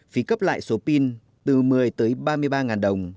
phí cấp lại số pin từ một mươi tới ba mươi ba đồng